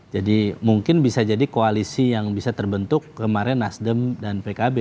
jadi mungkin bisa jadi koalisi yang bisa terbentuk kemarin nasdem dan pkb